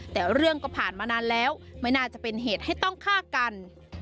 แต่เรื่องก็ผ่านมานานแล้วไม่น่าจะเป็นเหตุให้ต้องฆ่ากัน